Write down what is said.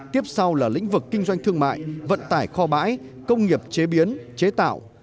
tiếp sau là lĩnh vực kinh doanh thương mại vận tải kho bãi công nghiệp chế biến chế tạo